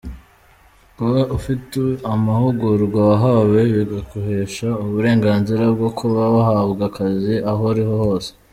Kuba ufite amahugurwa wahawe, bikaguhesha uburenganzira bwo kuba wahabwa akazi aho ariho hose.